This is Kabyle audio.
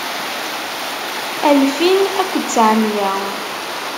Alfin akked tteɛmiyya.